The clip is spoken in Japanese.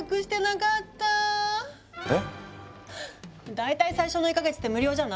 大体最初の１か月って無料じゃない？